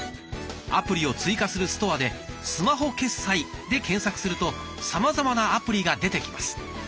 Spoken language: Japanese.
アプリを追加するストアで「スマホ決済」で検索するとさまざまなアプリが出てきます。